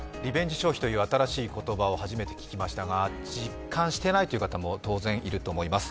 消費という新しい言葉を初めて聞きましたが、実感していないという方も当然いると思います。